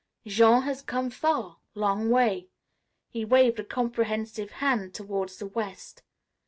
"Jean has come far. Long way," he waved a comprehensive hand toward the west.